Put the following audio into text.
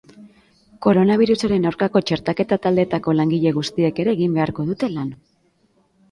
Koronabirusaren aurkako txertaketa-taldeetako langile guztiek ere egin beharko dute lan.